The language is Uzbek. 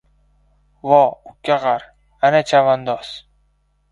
Vo ukkag‘ar, ana chavandoz!